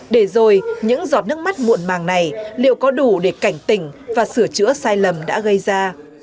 để rồi những giọt nước mắt muộn màng này liệu có đủ để cảnh tỉnh và sửa chữa sai lầm đã gây ra